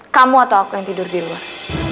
kamu atau aku yang tidur di luar